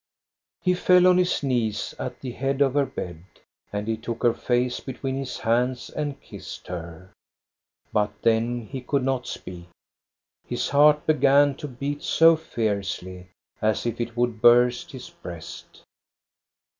He fell on his knees at the head of her bed, and he took her face between his hands and kissed her ; but then he could not speak. His heart began to beat so fiercely, as if it would burst his breast.